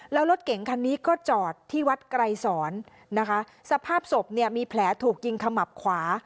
แล้วรถเก๋งคันนี้ก็จอดที่วัดไกรสอนนะคะสภาพศพเนี่ยมีแผลถูกยิงขมับขวา